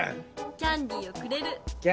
「キャンディーをくれる」。